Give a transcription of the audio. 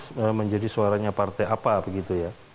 harus menjadi suaranya partai apa begitu ya